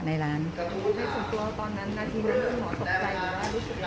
คุณตัวตอนนั้นนาทีนั้นคุณต่อตกใจหรือเปล่า